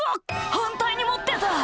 反対に持ってた」